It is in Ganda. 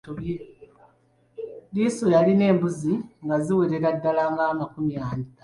Liiso yalina embuzi nga ziwerera ddala nga makumi ataano.